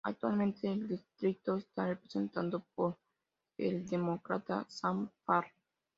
Actualmente el distrito está representado por el Demócrata Sam Farr.